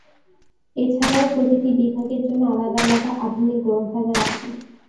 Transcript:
এছাড়াও প্রতিটি বিভাগের জন্য আলাদা আলাদা আধুনিক গ্রন্থাগার আছে।